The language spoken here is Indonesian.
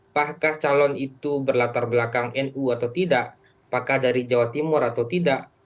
apakah calon itu berlatar belakang nu atau tidak apakah dari jawa timur atau tidak